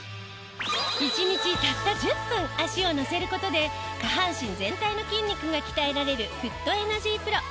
１日たった１０分足をのせる事で下半身全体の筋肉が鍛えられるフットエナジープロ。